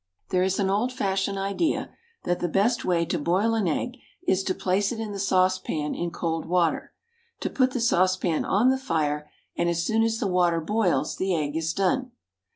There is an old fashioned idea that the best way to boil an egg is to place it in the saucepan in cold water, to put the saucepan on the fire, and as soon as the water boils the egg is done.